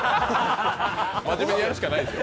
真面目にやるしかないですよ。